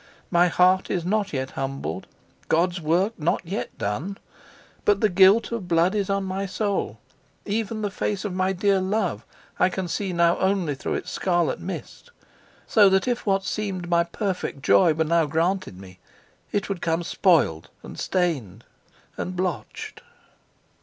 My heart is not yet humbled, God's work not yet done. But the guilt of blood is on my soul even the face of my dear love I can see now only through its scarlet mist; so that if what seemed my perfect joy were now granted me, it would come spoilt and stained and blotched."